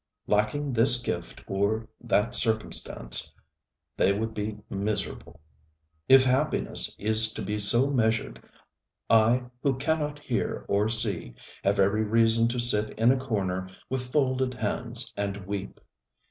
Lacking this gift or that circumstance, they would be miserable. If happiness is to be so measured, I who cannot hear or see have every reason to sit in a corner with folded hands and weep.